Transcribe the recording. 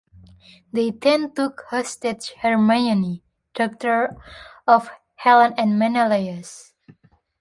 They then took hostage Hermione, daughter of Helen and Menelaus.